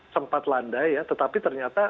sempat landai ya tetapi ternyata